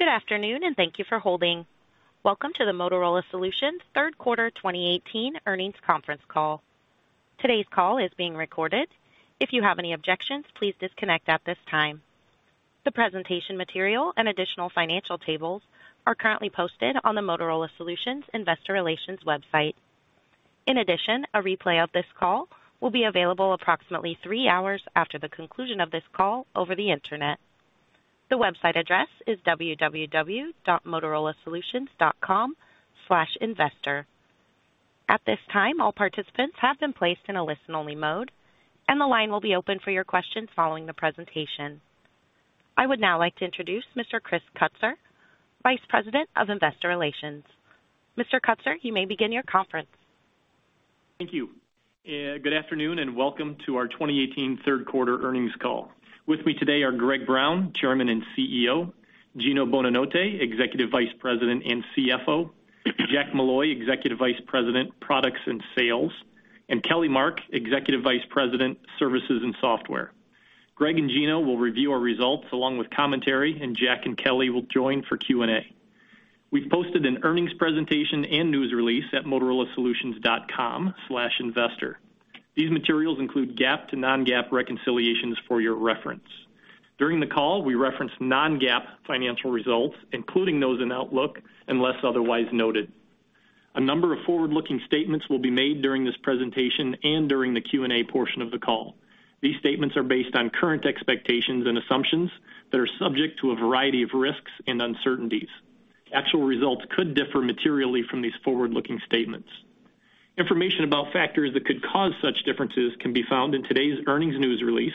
Good afternoon, and thank you for holding. Welcome to the Motorola Solutions third quarter 2018 earnings conference call. Today's call is being recorded. If you have any objections, please disconnect at this time. The presentation material and additional financial tables are currently posted on the Motorola Solutions investor relations website. In addition, a replay of this call will be available approximately 3 hours after the conclusion of this call over the Internet. The website address is www.motorolasolutions.com/investor. At this time, all participants have been placed in a listen-only mode, and the line will be open for your questions following the presentation. I would now like to introduce Mr. Chris Kutsor, Vice President of Investor Relations. Mr. Kutsor, you may begin your conference. Thank you. Good afternoon, and welcome to our 2018 third quarter earnings call. With me today are Greg Brown, Chairman and CEO, Gino Bonanotte, Executive Vice President and CFO, Jack Molloy, Executive Vice President, Products and Sales, and Kelly Mark, Executive Vice President, Services and Software. Greg and Gino will review our results along with commentary, and Jack and Kelly will join for Q&A. We've posted an earnings presentation and news release at motorolasolutions.com/investor. These materials include GAAP to non-GAAP reconciliations for your reference. During the call, we reference non-GAAP financial results, including those in outlook, unless otherwise noted. A number of forward-looking statements will be made during this presentation and during the Q&A portion of the call. These statements are based on current expectations and assumptions that are subject to a variety of risks and uncertainties. Actual results could differ materially from these forward-looking statements. Information about factors that could cause such differences can be found in today's earnings news release,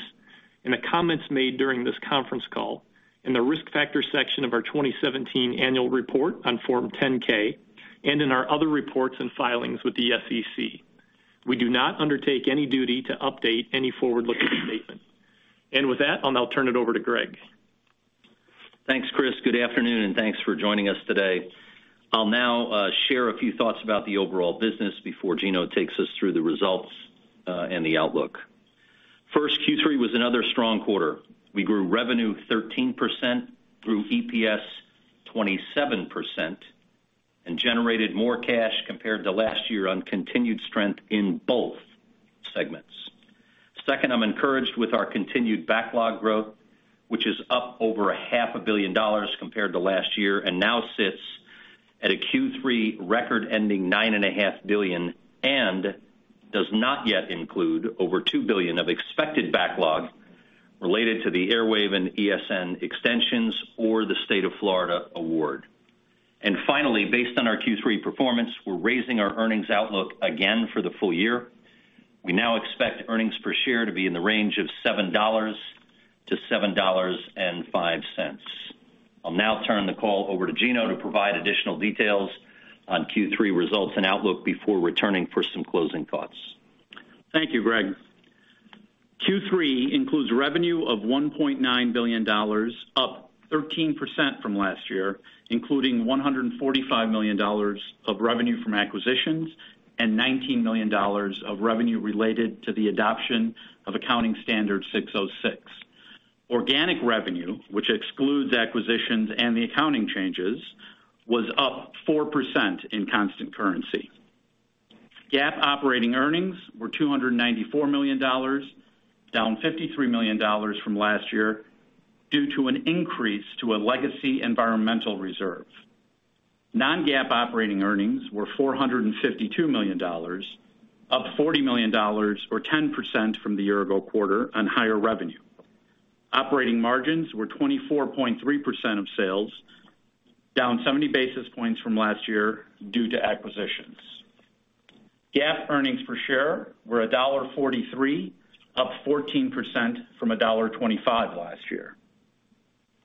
in the comments made during this conference call, in the Risk Factors section of our 2017 annual report on Form 10-K, and in our other reports and filings with the SEC. We do not undertake any duty to update any forward-looking statement. With that, I'll now turn it over to Greg. Thanks, Chris. Good afternoon, and thanks for joining us today. I'll now share a few thoughts about the overall business before Gino takes us through the results, and the outlook. First, Q3 was another strong quarter. We grew revenue 13%, through EPS 27%, and generated more cash compared to last year on continued strength in both segments. Second, I'm encouraged with our continued backlog growth, which is up over $500 million compared to last year and now sits at a Q3 record-ending $9.5 billion, and does not yet include over $2 billion of expected backlog related to the Airwave and ESN extensions or the State of Florida award. And finally, based on our Q3 performance, we're raising our earnings outlook again for the full year. We now expect earnings per share to be in the range of $7-$7.05. I'll now turn the call over to Gino to provide additional details on Q3 results and outlook before returning for some closing thoughts. Thank you, Greg. Q3 includes revenue of $1.9 billion, up 13% from last year, including $145 million of revenue from acquisitions and $19 million of revenue related to the adoption of ASC 606. Organic revenue, which excludes acquisitions and the accounting changes, was up 4% in constant currency. GAAP operating earnings were $294 million, down $53 million from last year due to an increase to a legacy environmental reserve. Non-GAAP operating earnings were $452 million, up $40 million or 10% from the year-ago quarter on higher revenue. Operating margins were 24.3% of sales, down 70 basis points from last year due to acquisitions. GAAP earnings per share were $1.43, up 14% from $1.25 last year.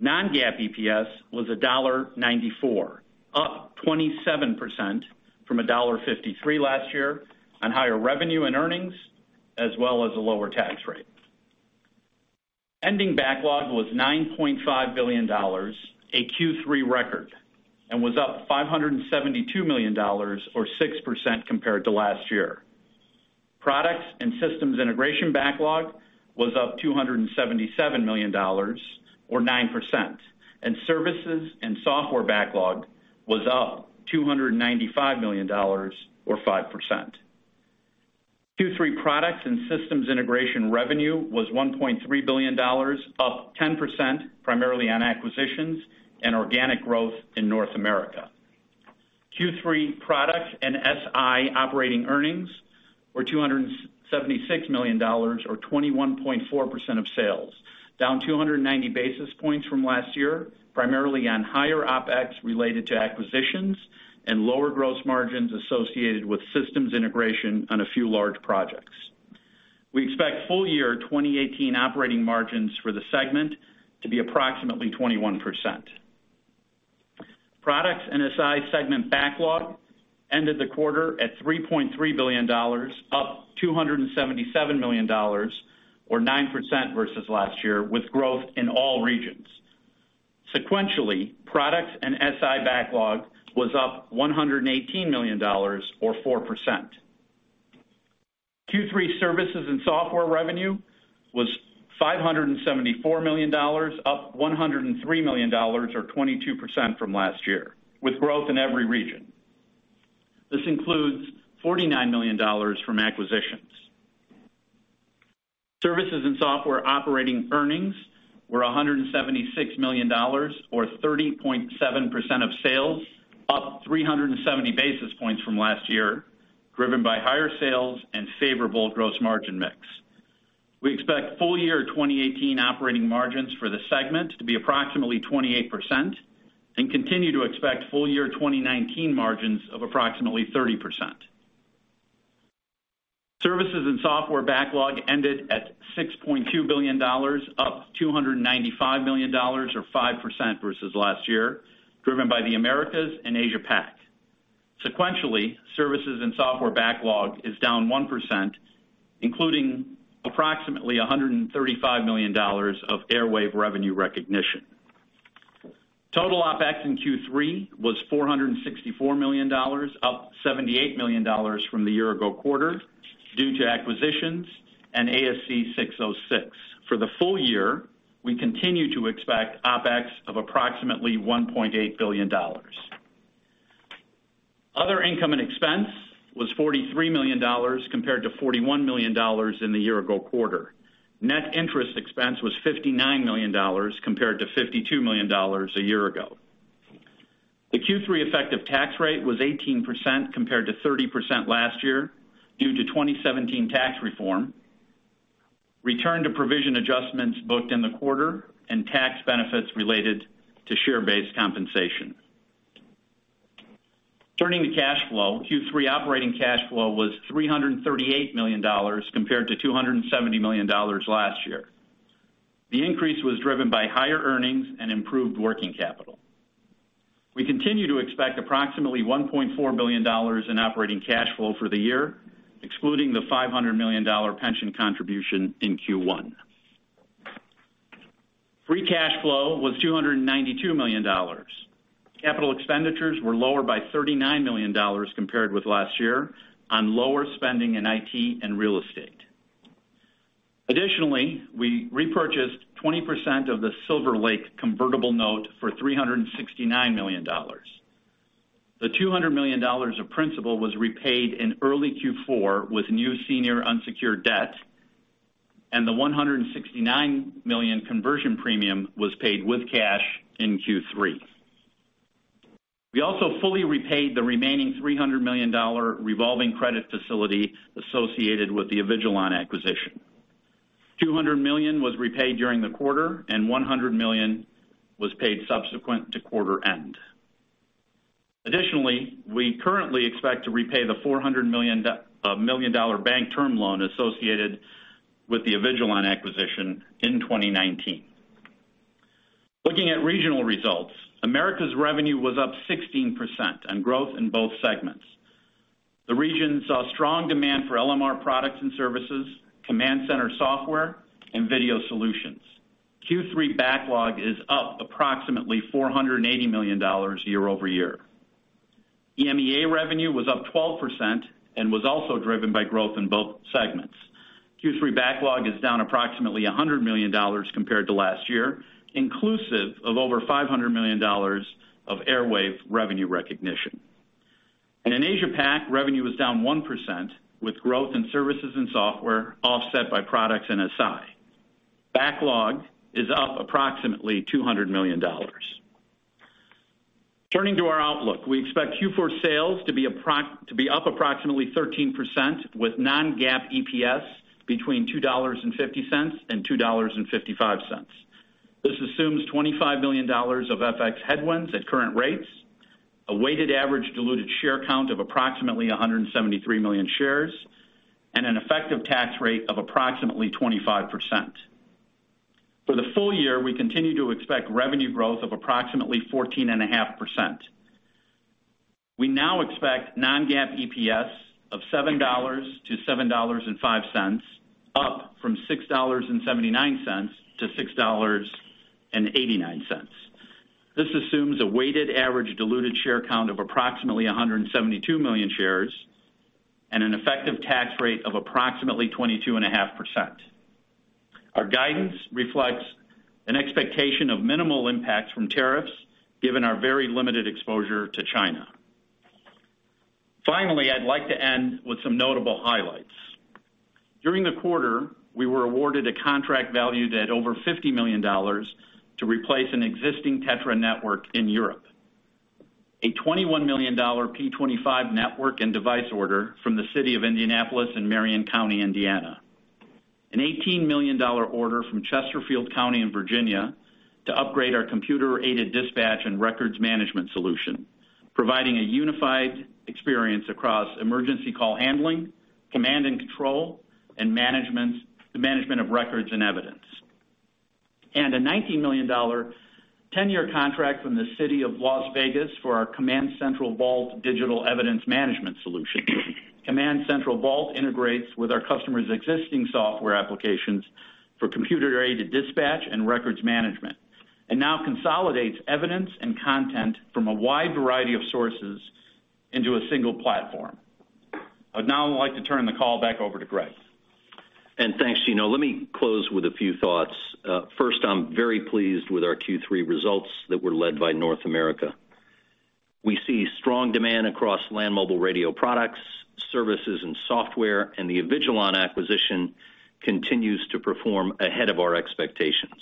Non-GAAP EPS was $1.94, up 27% from $1.53 last year on higher revenue and earnings, as well as a lower tax rate. Ending backlog was $9.5 billion, a Q3 record, and was up $572 million or 6% compared to last year. Products and systems integration backlog was up $277 million or 9%, and Services and Software backlog was up $295 million or 5%. Q3 Products and Systems Integration revenue was $1.3 billion, up 10%, primarily on acquisitions and organic growth in North America. Q3 Products and SI operating earnings were $276 million or 21.4% of sales, down 290 basis points from last year, primarily on higher OpEx related to acquisitions and lower gross margins associated with systems integration on a few large projects. We expect full year 2018 operating margins for the segment to be approximately 21%. Products and SI segment backlog ended the quarter at $3.3 billion, up $277 million or 9% versus last year, with growth in all regions. Sequentially, Products and SI was up $118 million or 4%. Q3 Services and Software revenue was $574 million, up $103 million or 22% from last year, with growth in every region. This includes $49 million from acquisitions. Services and software operating earnings were $176 million, or 30.7% of sales, up 370 basis points from last year, driven by higher sales and favorable gross margin mix. We expect full year 2018 operating margins for the segment to be approximately 28% and continue to expect full year 2019 margins of approximately 30%. Services and software backlog ended at $6.2 billion, up $295 million or 5% versus last year, driven by the Americas and Asia Pac. Sequentially, Services and Software backlog is down 1%, including approximately $135 million of Airwave revenue recognition. Total OpEx in Q3 was $464 million, up $78 million from the year-ago quarter due to acquisitions and ASC 606. For the full year, we continue to expect OpEx of approximately $1.8 billion. Other income and expense was $43 million, compared to $41 million in the year ago quarter. Net interest expense was $59 million, compared to $52 million a year ago. The Q3 effective tax rate was 18%, compared to 30% last year due to 2017 tax reform, return to provision adjustments booked in the quarter and tax benefits related to share-based compensation. Turning to cash flow, Q3 operating cash flow was $338 million compared to $270 million last year. The increase was driven by higher earnings and improved working capital. We continue to expect approximately $1.4 billion in operating cash flow for the year, excluding the $500 million pension contribution in Q1. Free cash flow was $292 million. Capital expenditures were lower by $39 million compared with last year on lower spending in IT and real estate. Additionally, we repurchased 20% of the Silver Lake convertible note for $369 million. The $200 million of principal was repaid in early Q4 with new senior unsecured debt, and the $169 million conversion premium was paid with cash in Q3. We also fully repaid the remaining $300 million revolving credit facility associated with the Avigilon acquisition. $200 million was repaid during the quarter, and $100 million was paid subsequent to quarter end. Additionally, we currently expect to repay the $400 million bank term loan associated with the Avigilon acquisition in 2019. Looking at regional results, Americas revenue was up 16% on growth in both segments. The region saw strong demand for LMR products and services, command center software, and video solutions. Q3 backlog is up approximately $480 million year-over-year. EMEA revenue was up 12% and was also driven by growth in both segments. Q3 backlog is down approximately $100 million compared to last year, inclusive of over $500 million of Airwave revenue recognition. And in Asia Pac, revenue was down 1%, with growth in Services and Software offset by products and SI. Backlog is up approximately $200 million. Turning to our outlook, we expect Q4 sales to be up approximately 13% with non-GAAP EPS between $2.50 and $2.55. This assumes $25 million of FX headwinds at current rates, a weighted average diluted share count of approximately 173 million shares, and an effective tax rate of approximately 25%. For the full year, we continue to expect revenue growth of approximately 14.5%. We now expect non-GAAP EPS of $7 to $7.05, up from $6.79 to $6.89. This assumes a weighted average diluted share count of approximately 172 million shares and an effective tax rate of approximately 22.5%. Our guidance reflects an expectation of minimal impact from tariffs, given our very limited exposure to China. Finally, I'd like to end with some notable highlights. During the quarter, we were awarded a contract valued at over $50 million to replace an existing TETRA network in Europe. A $21 million P25 network and device order from the City of Indianapolis and Marion County, Indiana. An $18 million order from Chesterfield County, Virginia to upgrade our computer-aided dispatch and records management solution, providing a unified experience across emergency call handling, command and control, and managements, the management of records and evidence. A $19 million ten-year contract from the City of Las Vegas for our CommandCentral Vault digital evidence management solution. CommandCentral Vault integrates with our customer's existing software applications for computer-aided dispatch and records management solution, and now consolidates evidence and content from a wide variety of sources into a single platform. I'd now like to turn the call back over to Greg. Thanks, Gino. Let me close with a few thoughts. First, I'm very pleased with our Q3 results that were led by North America. We see strong demand across land mobile radio products, services, and software, and the Avigilon acquisition continues to perform ahead of our expectations.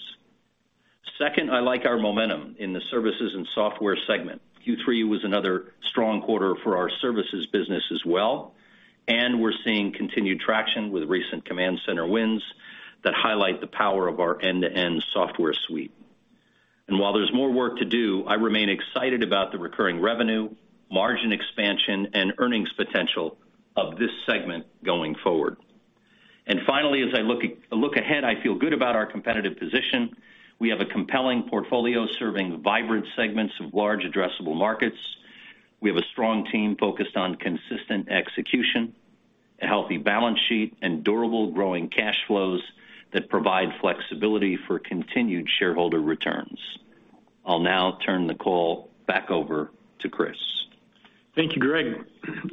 Second, I like our momentum in the Services and Software segment. Q3 was another strong quarter for our services business as well, and we're seeing continued traction with recent command center wins that highlight the power of our end-to-end software suite. And while there's more work to do, I remain excited about the recurring revenue, margin expansion, and earnings potential of this segment going forward. And finally, as I look ahead, I feel good about our competitive position. We have a compelling portfolio serving vibrant segments of large addressable markets. We have a strong team focused on consistent execution, a healthy balance sheet, and durable growing cash flows that provide flexibility for continued shareholder returns. I'll now turn the call back over to Chris. Thank you, Greg.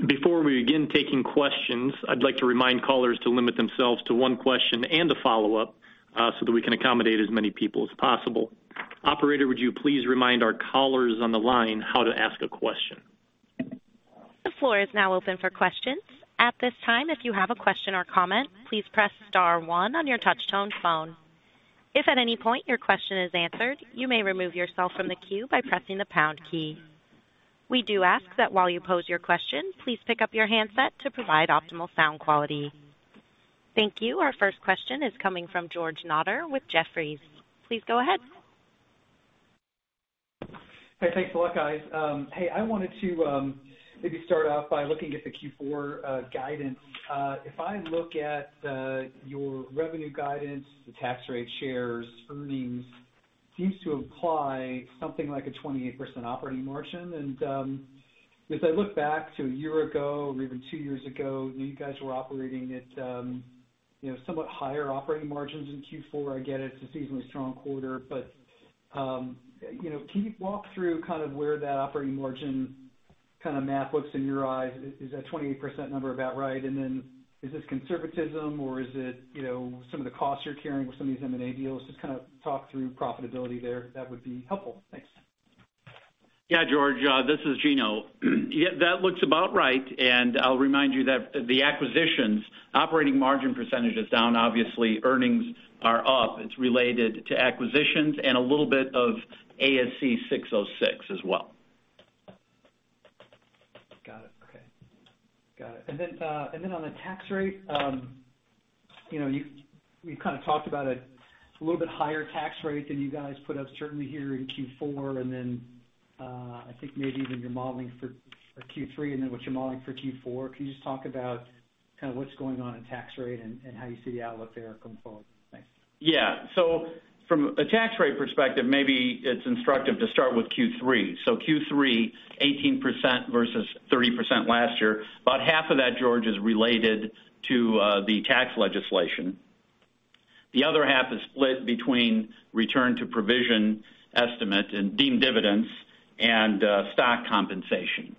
Before we begin taking questions, I'd like to remind callers to limit themselves to one question and a follow-up, so that we can accommodate as many people as possible. Operator, would you please remind our callers on the line how to ask a question? The floor is now open for questions. At this time, if you have a question or comment, please press star 1 on your touchtone phone. If at any point your question is answered, you may remove yourself from the queue by pressing the pound key. We do ask that while you pose your question, please pick up your handset to provide optimal sound quality. Thank you. Our first question is coming from George Notter with Jefferies. Please go ahead. Hey, thanks a lot, guys. Hey, I wanted to maybe start off by looking at the Q4 guidance. If I look at your revenue guidance, the tax rate shares, earnings, seems to imply something like a 28% operating margin. And, as I look back to a year ago or even two years ago, you guys were operating at, you know, somewhat higher operating margins in Q4. I get it, it's a seasonally strong quarter, but, you know, can you walk through kind of where that operating margin kind of map looks in your eyes? Is, is that 28% number about right? And then is this conservatism or is it, you know, some of the costs you're carrying with some of these M&A deals? Just kind of talk through profitability there. That would be helpful. Thanks. Yeah, George, this is Gino. Yeah, that looks about right, and I'll remind you that the acquisitions, operating margin percentage is down. Obviously, earnings are up. It's related to acquisitions and a little bit of ASC 606 as well. Got it. Okay. Got it, and then, and then on the tax rate, you know, you've, we've kind of talked about a little bit higher tax rate than you guys put up, certainly here in Q4, and then, I think maybe even you're modeling for Q3 and then what you're modeling for Q4. Can you just talk about kind of what's going on in tax rate and, and how you see the outlook there going forward? Thanks. Yeah. So from a tax rate perspective, maybe it's instructive to start with Q3. So Q3, 18% versus 30% last year. About half of that, George, is related to the tax legislation. The other half is split between return to provision estimate and deemed dividends and stock compensation.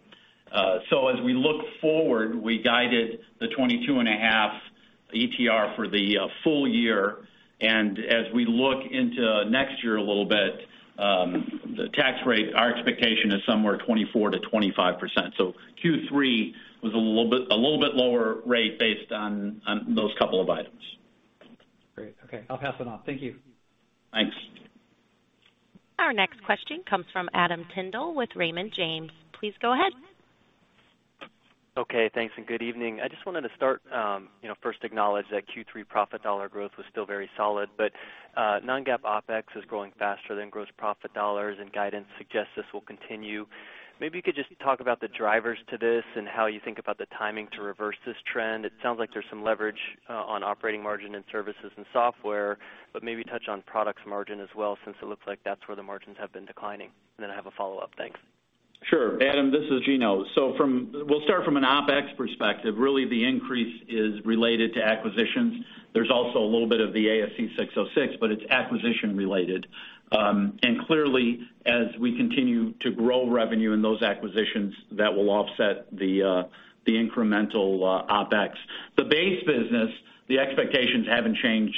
So as we look forward, we guided the 22.5% ETR for the full year. And as we look into next year a little bit, the tax rate, our expectation is somewhere 24%-25%. So Q3 was a little bit lower rate based on those couple of items. Great. Okay, I'll pass it on. Thank you. Thanks. Our next question comes from Adam Tindle with Raymond James. Please go ahead. Okay, thanks, and good evening. I just wanted to start, you know, first acknowledge that Q3 profit dollar growth was still very solid, but, non-GAAP OpEx is growing faster than gross profit dollars, and guidance suggests this will continue. Maybe you could just talk about the drivers to this and how you think about the timing to reverse this trend. It sounds like there's some leverage, on operating margin and Services and Software, but maybe touch on products margin as well, since it looks like that's where the margins have been declining. And then I have a follow-up. Thanks. Sure, Adam, this is Gino. So from-- we'll start from an OpEx perspective. Really, the increase is related to acquisitions. There's also a little bit of the ASC 606, but it's acquisition-related. And clearly, as we continue to grow revenue in those acquisitions, that will offset the, the incremental, OpEx. The base business, the expectations haven't changed,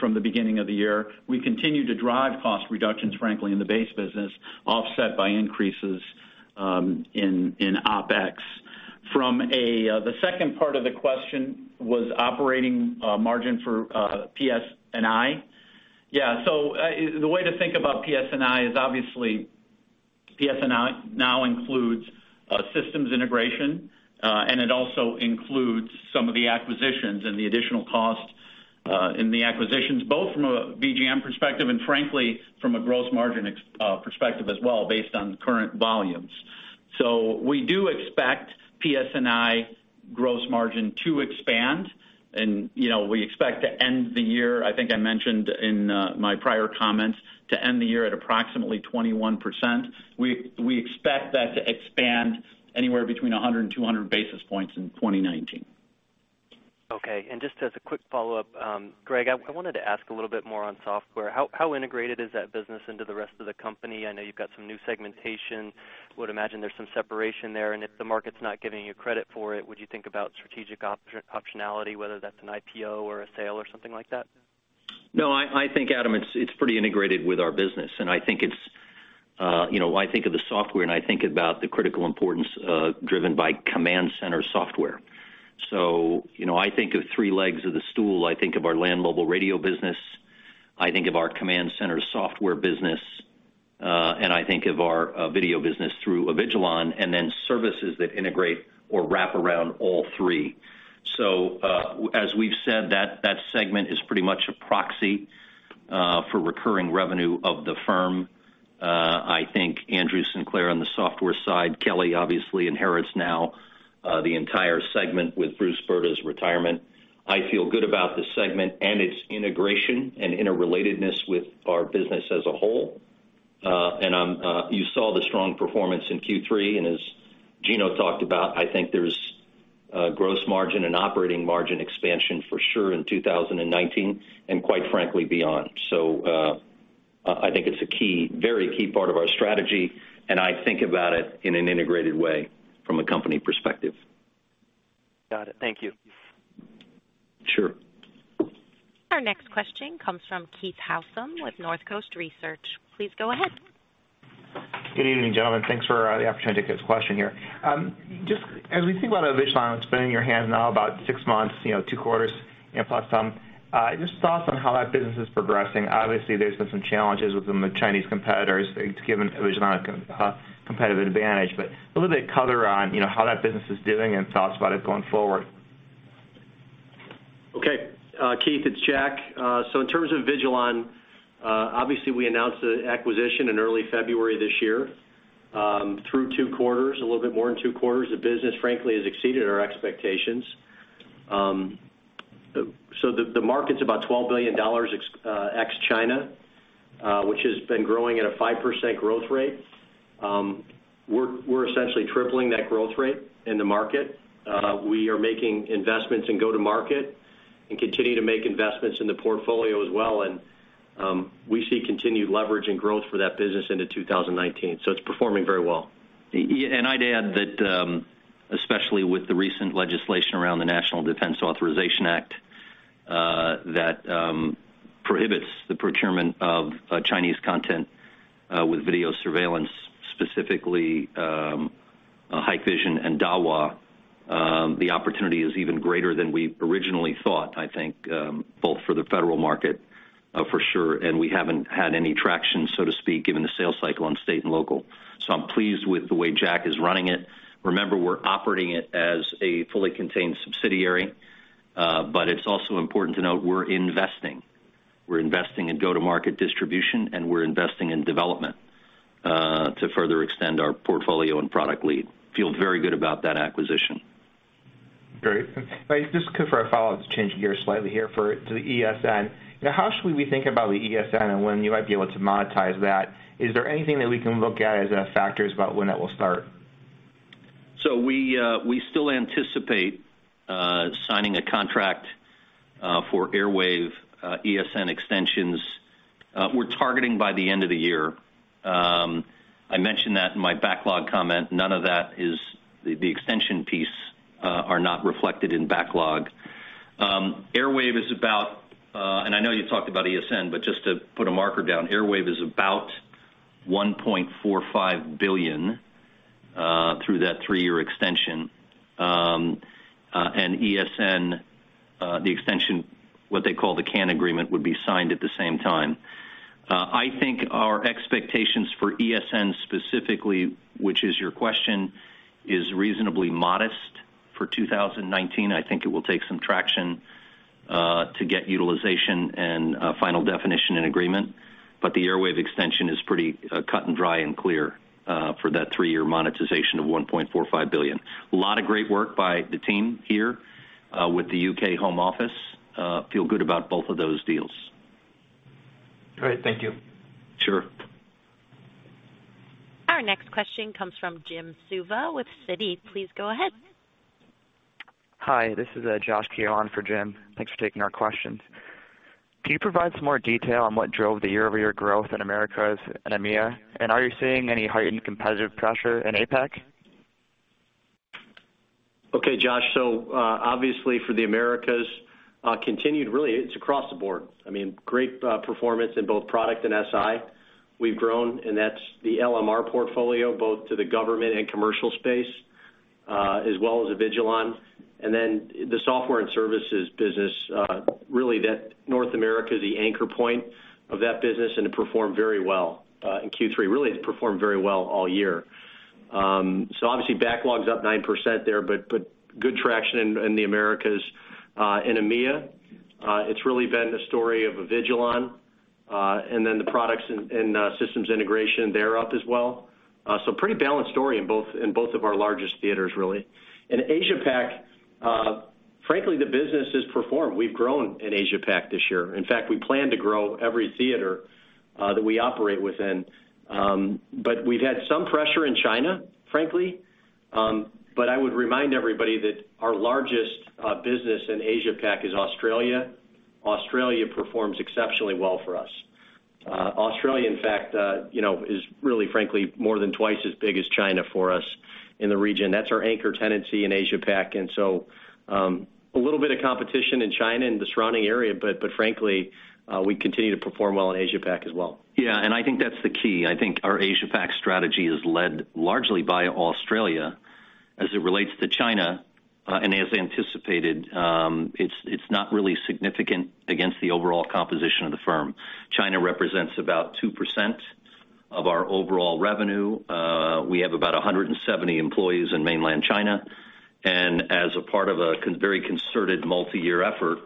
from the beginning of the year. We continue to drive cost reductions, frankly, in the base business, offset by increases, in OpEx. From a... The second part of the question was operating margin for PS&I? Yeah, so, the way to think about PS&I is, obviously, PS&I now includes, systems integration, and it also includes some of the acquisitions and the additional cost, in the acquisitions, both from a VPM perspective and frankly, from a gross margin ahh perspective as well, based on current volumes. So we do expect PS&I gross margin to expand and, you know, we expect to end the year, I think I mentioned in, my prior comments, to end the year at approximately 21%. We, we expect that to expand anywhere between 100 and 200 basis points in 2019. Just as a quick follow-up, Greg, I wanted to ask a little bit more on software. How integrated is that business into the rest of the company? I know you've got some new segmentation. Would imagine there's some separation there, and if the market's not giving you credit for it, would you think about strategic optionality, whether that's an IPO or a sale or something like that? No, I think, Adam, it's pretty integrated with our business, and I think it's, you know, I think of the software, and I think about the critical importance driven by command center software. So, you know, I think of three legs of the stool. I think of our land mobile radio business, I think of our command center software business, and I think of our video business through Avigilon, and then services that integrate or wrap around all three. So, as we've said, that segment is pretty much a proxy for recurring revenue of the firm. I think Andrew Sinclair on the software side, Kelly obviously inherits now the entire segment with Bruce Brda's retirement. I feel good about this segment and its integration and interrelatedness with our business as a whole. You saw the strong performance in Q3, and as Gino talked about, I think there's gross margin and operating margin expansion for sure in 2019, and quite frankly, beyond. I think it's a key, very key part of our strategy, and I think about it in an integrated way from a company perspective. Got it. Thank you. Sure. Our next question comes from Keith Housum with Northcoast Research. Please go ahead. Good evening, gentlemen. Thanks for the opportunity to ask a question here. Just as we think about Avigilon, it's been in your hands now about six months, you know, two quarters, and plus some, just thoughts on how that business is progressing. Obviously, there's been some challenges within the Chinese competitors. It's given Avigilon a competitive advantage, but a little bit of color on, you know, how that business is doing and thoughts about it going forward. Okay. Keith, it's Jack. So in terms of Avigilon, obviously, we announced the acquisition in early February this year. Through 2 quarters, a little bit more than 2 quarters, the business, frankly, has exceeded our expectations. So the market's about $12 billion ex-China, which has been growing at a 5% growth rate. We're essentially tripling that growth rate in the market. We are making investments in go-to-market and continue to make investments in the portfolio as well. And, we see continued leverage and growth for that business into 2019. So it's performing very well. Yeah, and I'd add that, especially with the recent legislation around the National Defense Authorization Act, that prohibits the procurement of, Chinese content, with video surveillance, specifically, Hikvision and Dahua, the opportunity is even greater than we originally thought, I think, both for the federal market, for sure, and we haven't had any traction, so to speak, given the sales cycle on state and local. So I'm pleased with the way Jack is running it. Remember, we're operating it as a fully contained subsidiary, but it's also important to note we're investing. We're investing in go-to-market distribution, and we're investing in development, to further extend our portfolio and product lead. Feel very good about that acquisition. Great. And just quick for a follow-up to change gears slightly here for to the ESN. Now, how should we think about the ESN and when you might be able to monetize that? Is there anything that we can look at as factors about when that will start? So we still anticipate signing a contract for Airwave ESN extensions; we're targeting by the end of the year. I mentioned that in my backlog comment. None of that is... The extension piece are not reflected in backlog. Airwave is about, and I know you talked about ESN, but just to put a marker down, Airwave is about $1.45 billion through that three-year extension. And ESN, the extension, what they call the CAN agreement, would be signed at the same time. I think our expectations for ESN specifically, which is your question, is reasonably modest for 2019. I think it will take some traction to get utilization and final definition and agreement, but the Airwave extension is pretty cut and dry and clear for that three-year monetization of $1.45 billion. A lot of great work by the team here with the UK Home Office. Feel good about both of those deals. Great. Thank you. Sure. Our next question comes from Jim Suva with Citi. Please go ahead. Hi, this is Josh Kehoe for Jim. Thanks for taking our questions. Can you provide some more detail on what drove the year-over-year growth in Americas and EMEA? And are you seeing any heightened competitive pressure in APAC? Okay, Josh. So, obviously, for the Americas, continued, really, it's across the board. I mean, great, performance in both product and SI. We've grown, and that's the LMR portfolio, both to the government and commercial space, as well as Avigilon. And then the software and services business, really, that North America is the anchor point of that business, and it performed very well, in Q3. Really, it performed very well all year. So obviously, backlog's up 9% there, but good traction in the Americas, and EMEA. It's really been the story of Avigilon, and then the Products and Systems Integration, they're up as well. So pretty balanced story in both of our largest theaters, really. In Asia Pac, frankly, the business has performed. We've grown in Asia Pac this year. In fact, we plan to grow every theater that we operate within. But we've had some pressure in China, frankly. But I would remind everybody that our largest business in Asia Pac is Australia. Australia performs exceptionally well for us. Australia, in fact, you know, is really, frankly, more than twice as big as China for us in the region. That's our anchor tenancy in Asia Pac. And so, a little bit of competition in China and the surrounding area, but frankly, we continue to perform well in Asia Pac as well. Yeah, and I think that's the key. I think our Asia Pac strategy is led largely by Australia as it relates to China. And as anticipated, it's not really significant against the overall composition of the firm. China represents about 2% of our overall revenue. We have about 170 employees in mainland China, and as a part of a very concerted multiyear effort,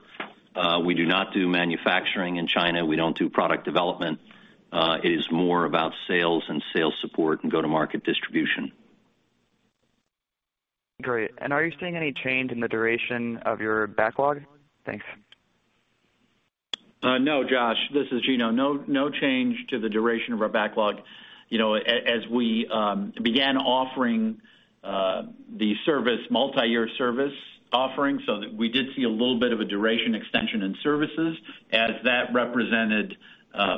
we do not do manufacturing in China, we don't do product development. It is more about sales and sales support and go-to-market distribution. Great. And are you seeing any change in the duration of your backlog? Thanks. No, Josh, this is Gino. No, no change to the duration of our backlog. You know, as we began offering the service, multiyear service offering, so that we did see a little bit of a duration extension in services as that represented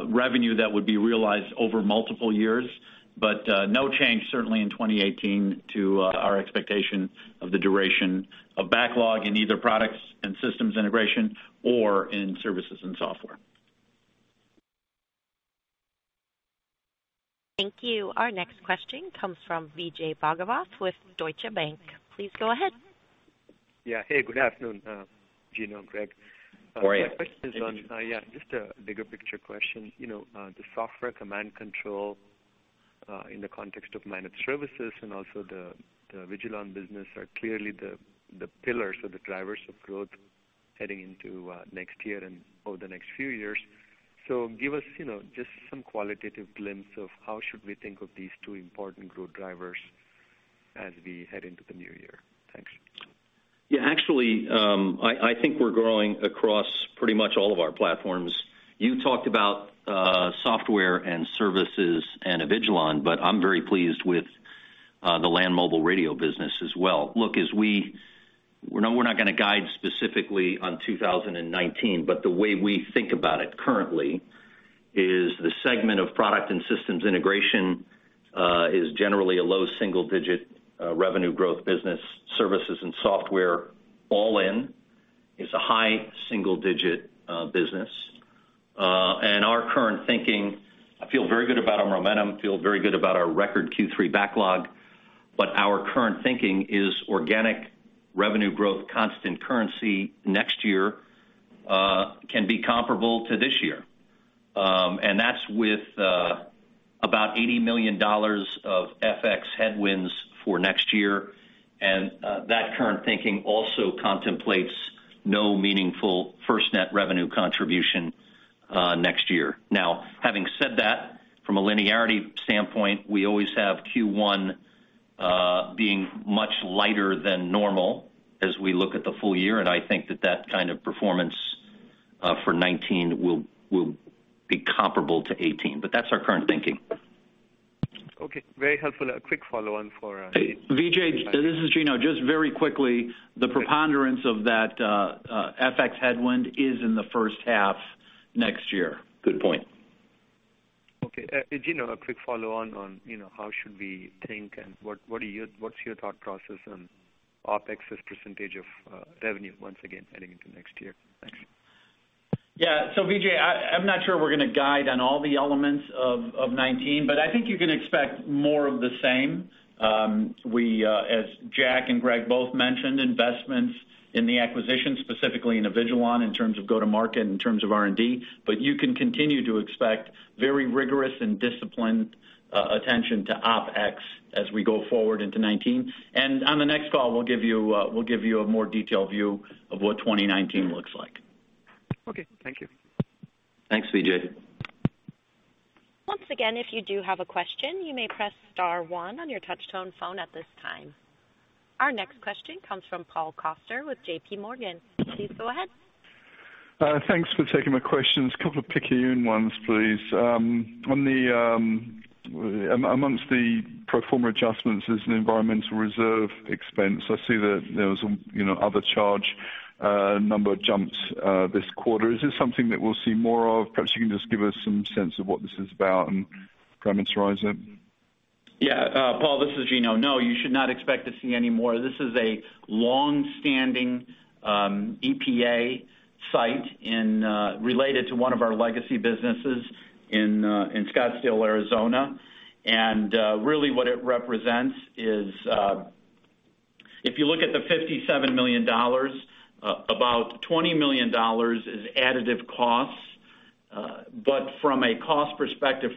revenue that would be realized over multiple years. But, no change certainly in 2018 to our expectation of the duration of backlog in either Products and Systems integration or in Services and Software. Thank you. Our next question comes from Vijay Bhagavath with Deutsche Bank. Please go ahead. Yeah. Hey, good afternoon, Gino and Greg. How are you? My question is on- yeah, just a bigger picture question. You know, the software command control, in the context of managed services and also the, the Avigilon business are clearly the, the pillars or the drivers of growth heading into, next year and over the next few years. So give us, you know, just some qualitative glimpse of how should we think of these two important growth drivers as we head into the new year. Thanks. Yeah, actually, I think we're growing across pretty much all of our platforms. You talked about software and services and Avigilon, but I'm very pleased with the land mobile radio business as well. Look, no, we're not gonna guide specifically on 2019, but the way we think about it currently is the segment of product and systems integration is generally a low single digit revenue growth business. Services and software, all in, is a high single digit business. And our current thinking, I feel very good about our momentum, feel very good about our record Q3 backlog, but our current thinking is organic revenue growth, constant currency next year can be comparable to this year. And that's with about $80 million of FX headwinds for next year, and that current thinking also contemplates no meaningful FirstNet revenue contribution next year. Now, having said that, from a linearity standpoint, we always have Q1 being much lighter than normal as we look at the full year, and I think that that kind of performance for 2019 will, will be comparable to 2018. But that's our current thinking. Okay, very helpful. A quick follow-on for, Vijay, this is Gino. Just very quickly, the preponderance of that, FX headwind is in the first half next year. Good point. Okay. Gino, a quick follow-on on you know how should we think and what's your thought process on OpEx as percentage of revenue once again heading into next year? Thanks. Yeah. So Vijay, I, I'm not sure we're gonna guide on all the elements of 2019, but I think you can expect more of the same. We as Jack and Greg both mentioned, investments in the acquisition, specifically in Avigilon, in terms of go-to-market, in terms of R&D, but you can continue to expect very rigorous and disciplined attention to OpEx as we go forward into 2019. And on the next call, we'll give you, we'll give you a more detailed view of what 2019 looks like. Okay. Thank you. Thanks, Vijay. Once again, if you do have a question, you may press star 1 on your touchtone phone at this time. Our next question comes from Paul Coster with J.P. Morgan. Please go ahead. Thanks for taking my questions. A couple of picayune ones, please. On the, amongst the pro forma adjustments, there's an environmental reserve expense. I see that there was, you know, other charge, number jumps, this quarter. Is this something that we'll see more of? Perhaps you can just give us some sense of what this is about and parameterize it. Yeah. Paul, this is Gino. No, you should not expect to see any more. This is a long-standing EPA site in related to one of our legacy businesses in Scottsdale, Arizona. Really what it represents is if you look at the $57 million, about $20 million is additive costs, but from a cost perspective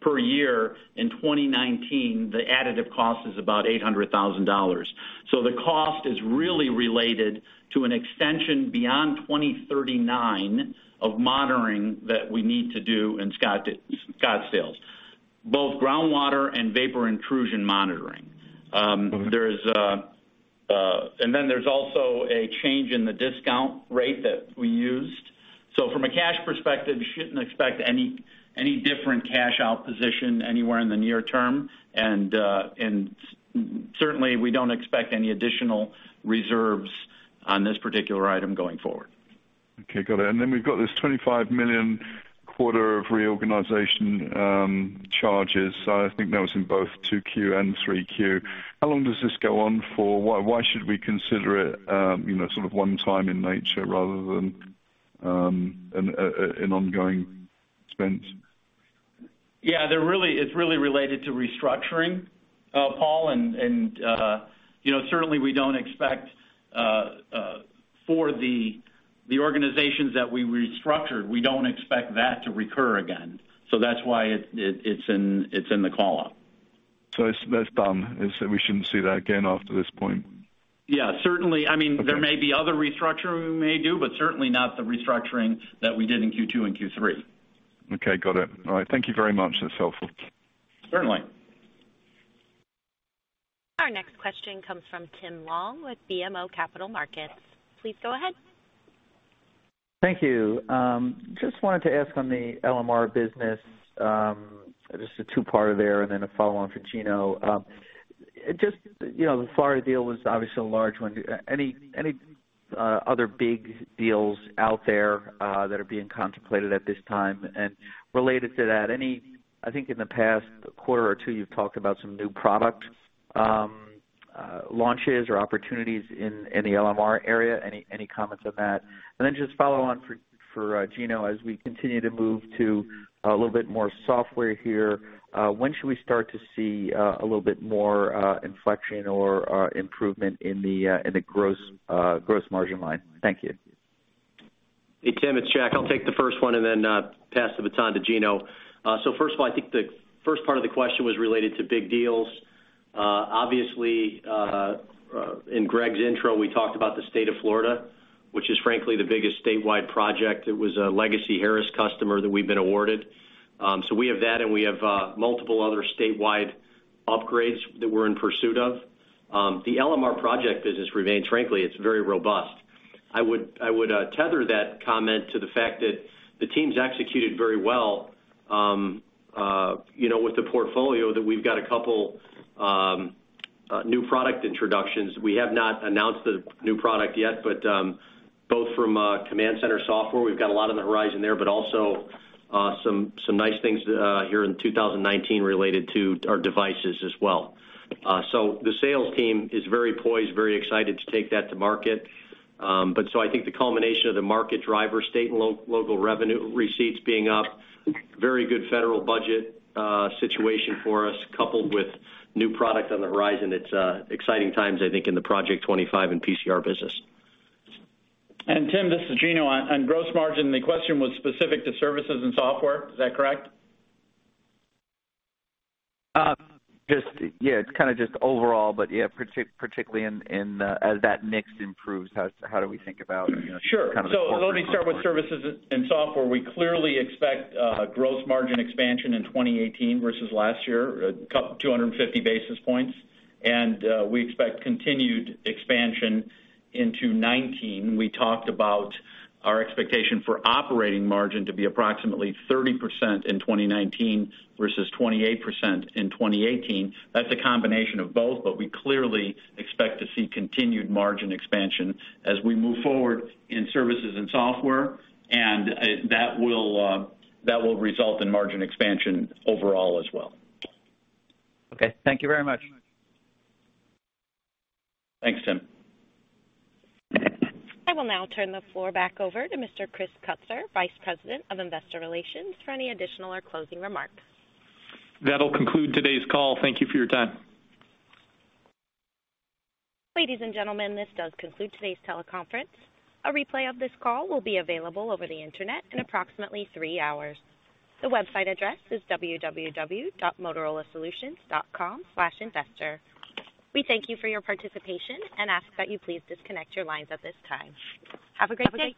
per year, in 2019, the additive cost is about $800,000. So the cost is really related to an extension beyond 2039 of monitoring that we need to do in Scottsdale, both groundwater and vapor intrusion monitoring. Mm-hmm. There's, uh- ...And then there's also a change in the discount rate that we used. So from a cash perspective, you shouldn't expect any, any different cash out position anywhere in the near term. And, and certainly, we don't expect any additional reserves on this particular item going forward. Okay, got it. And then we've got this $25 million quarter of reorganization charges. I think that was in both Q2 and Q3. How long does this go on for? Why, why should we consider it, you know, sort of one time in nature rather than an ongoing expense? Yeah, it's really related to restructuring, Paul, and you know, certainly we don't expect for the organizations that we restructured. We don't expect that to recur again. So that's why it's in the call out. So it's that that's done? Is we shouldn't see that again after this point? Yeah, certainly. Okay. I mean, there may be other restructuring we may do, but certainly not the restructuring that we did in Q2 and Q3. Okay, got it. All right. Thank you very much. That's helpful. Certainly. Our next question comes from Tim Long with BMO Capital Markets. Please go ahead. Thank you. Just wanted to ask on the LMR business, just a two-parter there, and then a follow on for Gino. Just, you know, the Florida deal was obviously a large one. Any other big deals out there that are being contemplated at this time? And related to that, I think in the past quarter or two, you've talked about some new product launches or opportunities in the LMR area. Any comments on that? And then just follow on for Gino, as we continue to move to a little bit more software here, when should we start to see a little bit more inflection or improvement in the gross margin line? Thank you. Hey, Tim, it's Jack. I'll take the first one and then pass the baton to Gino. So first of all, I think the first part of the question was related to big deals. Obviously, in Greg's intro, we talked about the State of Florida, which is frankly the biggest statewide project. It was a legacy Harris customer that we've been awarded. So we have that, and we have multiple other statewide upgrades that we're in pursuit of. The LMR project business remains, frankly, it's very robust. I would tether that comment to the fact that the team's executed very well, you know, with the portfolio that we've got a couple new product introductions. We have not announced the new product yet, but both from command center software, we've got a lot on the horizon there, but also some nice things here in 2019 related to our devices as well. So the sales team is very poised, very excited to take that to market. But so I think the culmination of the market driver, state and local revenue receipts being up, very good federal budget situation for us, coupled with new product on the horizon. It's exciting times, I think, in the Project 25 and PCR business. Tim, this is Gino. On gross margin, the question was specific to Services and Software. Is that correct? Just yeah, it's kind of just overall, but yeah, particularly in, as that mix improves, how do we think about, you know- Sure. Kind of the corporate- So let me start with Services and Software. We clearly expect a gross margin expansion in 2018 versus last year, 250 basis points, and we expect continued expansion into 2019. We talked about our expectation for operating margin to be approximately 30% in 2019 versus 28% in 2018. That's a combination of both, but we clearly expect to see continued margin expansion as we move forward in Services and Software, and that will result in margin expansion overall as well. Okay, thank you very much. Thanks, Tim. I will now turn the floor back over to Mr. Chris Kutsor, Vice President of Investor Relations, for any additional or closing remarks. That'll conclude today's call. Thank you for your time. Ladies and gentlemen, this does conclude today's teleconference. A replay of this call will be available over the Internet in approximately three hours. The website address is www.motorolasolutions.com/investor. We thank you for your participation and ask that you please disconnect your lines at this time. Have a great day!